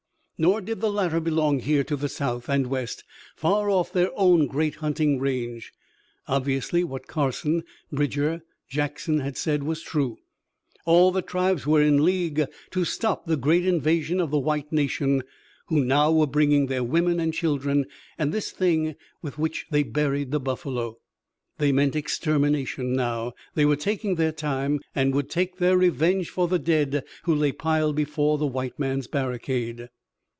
Nor did the latter belong here to the south and west, far off their own great hunting range. Obviously what Carson, Bridger, Jackson had said was true. All the tribes were in league to stop the great invasion of the white nation, who now were bringing their women and children and this thing with which they buried the buffalo. They meant extermination now. They were taking their time and would take their revenge for the dead who lay piled before the white man's barricade.